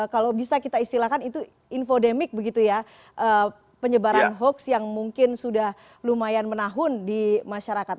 kalau bisa kita istilahkan itu infodemik begitu ya penyebaran hoax yang mungkin sudah lumayan menahun di masyarakat